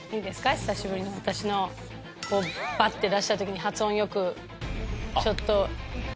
久しぶりに私のバッて出した時に発音良くちょっと。